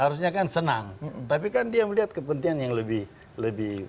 harusnya kan senang tapi kan dia melihat kepentingan yang lebih lebih